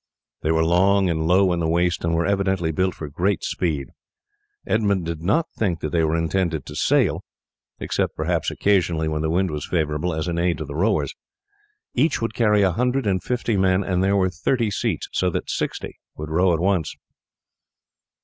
They were long and low in the waist, and were evidently built for great speed. Edmund did not think that they were intended to sail, except perhaps occasionally when the wind was favourable, as an aid to the rowers. Each would carry a hundred and fifty men, and there were thirty seats, so that sixty would row at once.